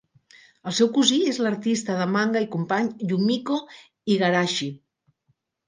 El seu cosí és l'artista de manga i company, Yumiko Igarashi.